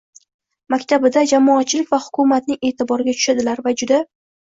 mamlakatida jamoatchilik va hukumatning e’tiboriga tushadilar va juda